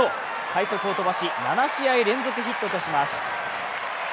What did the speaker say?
快足を飛ばし、７試合連続ヒットとします。